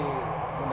ini kita turun ya